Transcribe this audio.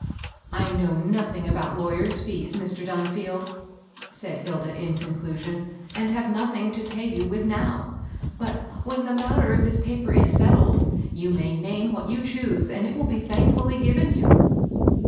" I know nothing about lawyers' fees, Mr. Dun field," said Hilda, in conclusion, ^* and have noth ing to pay you with now ; but, when the matter of this paper is settled, you may name what you choose and it will be thankfully given you."